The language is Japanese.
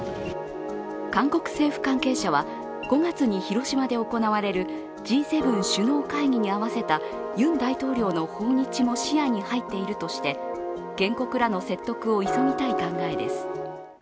韓国政府関係者は５月に広島で行われるＧ７首脳会談に合わせたユン大統領の訪日も視野に入っているとして原告らの説得を急ぎたい考えです。